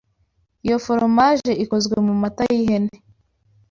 Iyo foromaje ikozwe mu mata y'ihene.